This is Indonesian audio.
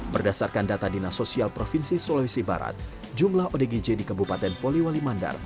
berdasarkan data dinas sosial provinsi sulawesi barat jumlah odgj di kabupaten poliwali mandar